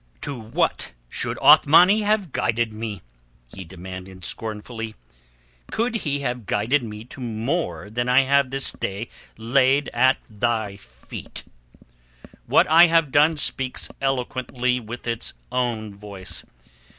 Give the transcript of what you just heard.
"To what should Othmani have guided me?" he demanded scornfully. "Could he have guided me to more than I have this day laid at thy feet? What I have done speaks eloquently with its own voice.